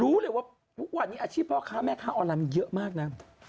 รู้เลยว่าทุกวันนี้อาชีพพ่อค้าแม่ค้าออนไลน์มันเยอะมากนะ